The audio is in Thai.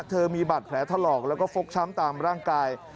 เธอมีบาดแผลถลอกแล้วก็ฟกช้ำตามร่างกาย